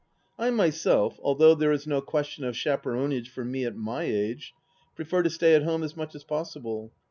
. I myself, although there is no question of chaperonage for me at my age, prefer to stay at home as much as possible.